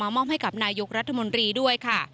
มอบให้กับนายกรัฐมนตรีด้วยค่ะ